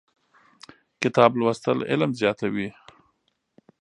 کتاب لوستل علم زیاتوي.